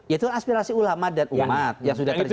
itu aspirasi ulama dan umat yang sudah terjadi